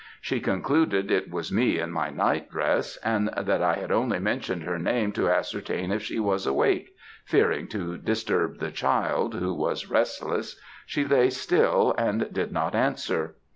She concluded it was me in my night dress, and that I had only mentioned her name to ascertain if she was awake, fearing to disturb the child, who was restless, she lay still, and did not answer.